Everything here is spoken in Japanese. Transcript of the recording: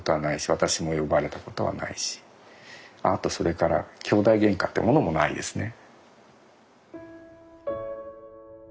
私も呼ばれたことはないしあとそれから兄弟ゲンカってものもないですね。